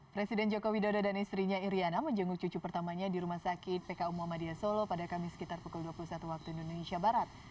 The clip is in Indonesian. presiden jokowi dodo dan istrinya iryana menjenguk cucu pertamanya di rumah sakit pku muhammadiyah solo pada kamis sekitar pukul dua puluh satu waktu indonesia barat